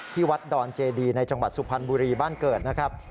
ที่วัดดอนเจดีในจังหวัดสุพรรณบุรีบ้านเกิดนะครับ